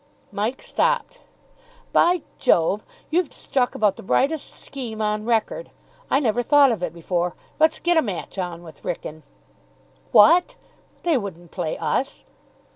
Mike stopped. "By jove, you've struck about the brightest scheme on record. I never thought of it before. Let's get a match on with Wrykyn." "What! They wouldn't play us."